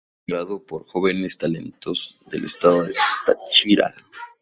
Integrado por jóvenes talentos del estado Táchira.